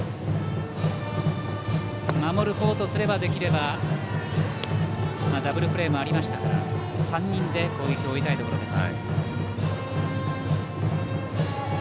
守る方とすれば、できればダブルプレーもありましたから３人で攻撃を終えたいところです。